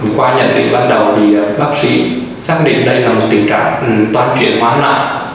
qua nhận định ban đầu bác sĩ xác định đây là một tình trạng toàn chuyển hoá nạn